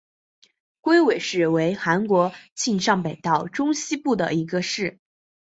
龟尾市为韩国庆尚北道中西部的一个市。